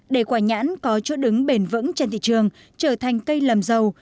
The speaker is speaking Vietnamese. để quả nhãn có chỗ đứng bền vững trên thị trường trở thành cây lầm dầu